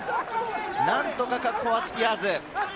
何とか確保はスピアーズ。